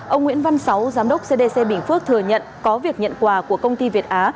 ông nguyễn văn sáu giám đốc cdc bình phước thừa nhận có việc nhận quà của công ty việt á